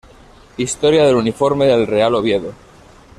Historia del uniforme del Real Oviedo